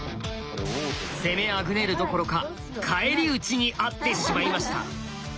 攻めあぐねるどころか返り討ちにあってしまいました！